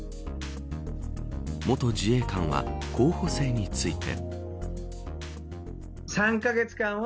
元自衛官は候補生について。